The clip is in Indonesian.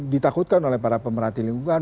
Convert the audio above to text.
ditakutkan oleh para pemerhati lingkungan